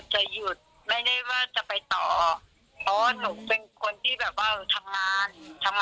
ตอนหนูเลิกยุ่งแล้วเขาถึงมาโพสต์นะคะหนูเลิกยุ่งกับพ่อเขาตั้งนานแล้วค่ะ